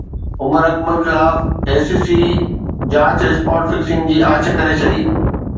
عمر اڪمل خلاف I C C جاچ spot fixing جي آڇ ڪري ڇڏي